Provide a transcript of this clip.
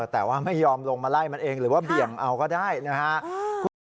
แต่ว่าไม่ยอมลงมาไล่มันเองหรือว่าเบี่ยงเอาก็ได้นะฮะ